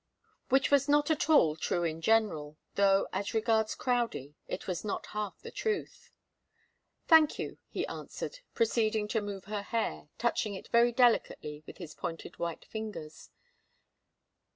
Which was not at all true in general, though as regards Crowdie it was not half the truth. "Thank you," he answered, proceeding to move her hair, touching it very delicately with his pointed white fingers.